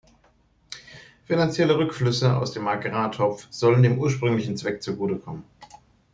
Finanzielle Rückflüsse aus dem Agrartopf sollen dem ursprünglichen Zweck zugute kommen.